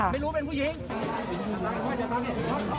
อยากขอโทษทนตายนะพี่